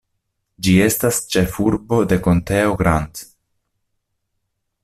Ĝi estas ĉefurbo de konteo Grant.